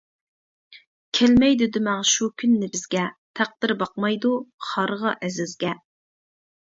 كەلمەيدۇ دېمەڭ شۇ كۈننى بىزگە، تەقدىر باقمايدۇ خارغا، ئەزىزگە.